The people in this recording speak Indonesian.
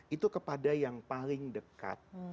itu kepada yang paling dekat